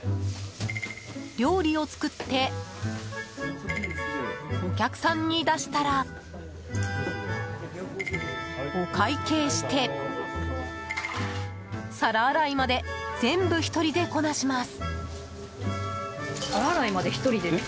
料理を作ってお客さんに出したらお会計して、皿洗いまで全部１人でこなします。